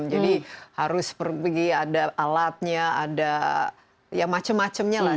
jadi harus pergi ada alatnya ada ya macam macamnya lah